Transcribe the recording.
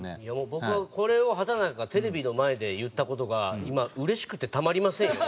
僕はこれを畠中がテレビの前で言った事が今うれしくてたまりませんよ。